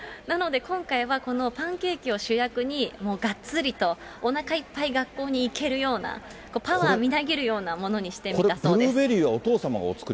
なので今回は、このパンケーキを主役に、もうがっつりとおなかいっぱいで学校に行けるような、パワーみなぎるようなものにしてみたそうです。